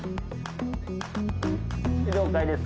了解です。